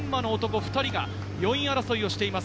２人が４位争いをしています。